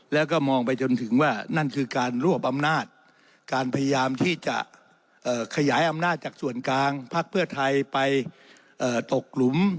แล้วก็มองไปจนถึงว่านั่นคือการรวบอำนาจการพยายามที่จะขยายอำนาจจากส่วนกลางพักเพื่อไทยไปตกหลุม